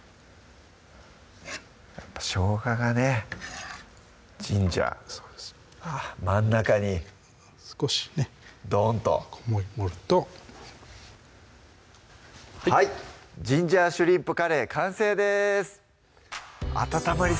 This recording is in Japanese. やっぱしょうががねジンジャーそうです真ん中に少しねドーンとこんもり盛るとはい「ジンジャーシュリンプカレー」完成です温まり